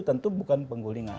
tentu bukan penggulingan